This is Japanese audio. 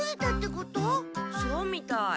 そうみたい。